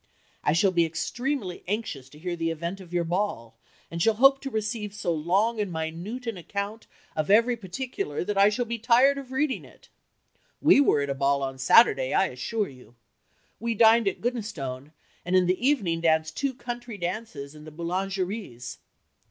"I shall be extremely anxious to hear the event of your ball, and shall hope to receive so long and minute an account of every particular that I shall be tired of reading it.... We were at a ball on Saturday I assure you. We dined at Goodnestone and in the evening danced two country dances and the Boulangeries."